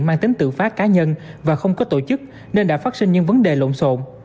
mang tính tự phát cá nhân và không có tổ chức nên đã phát sinh những vấn đề lộn xộn